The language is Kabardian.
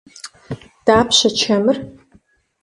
Дапщэ чэмыр?